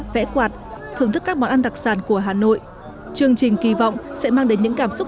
vẽ quạt thưởng thức các món ăn đặc sản của hà nội chương trình kỳ vọng sẽ mang đến những cảm xúc